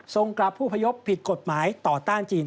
กลับผู้พยพผิดกฎหมายต่อต้านจีน